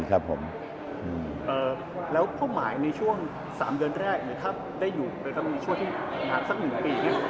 แล้วเป้าหมายในช่วงสามเดือนแรกหรือถ้าได้อยู่ช่วงที่หนักสักหนึ่งปี